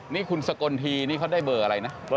นี่คุณสกลทีนี่เขาได้เบอร์อะไรนะ